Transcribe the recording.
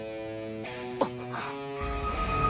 あっ！